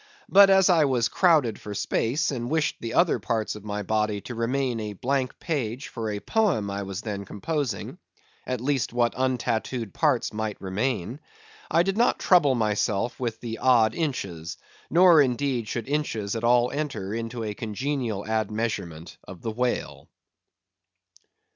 But as I was crowded for space, and wished the other parts of my body to remain a blank page for a poem I was then composing—at least, what untattooed parts might remain—I did not trouble myself with the odd inches; nor, indeed, should inches at all enter into a congenial admeasurement of the whale.